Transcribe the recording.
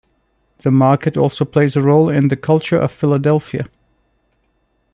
The market also plays a role in the culture of Philadelphia.